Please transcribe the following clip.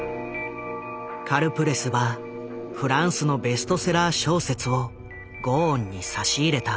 カルプレスはフランスのベストセラー小説をゴーンに差し入れた。